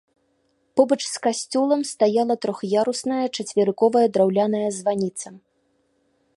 Побач з касцёлам стаяла трох'ярусная чацверыковая драўляная званіца.